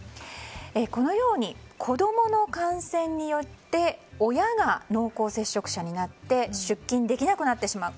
このように子供の感染によって親が濃厚接触者になって出勤できなくなってしまう。